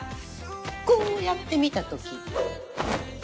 こうやってみたとき。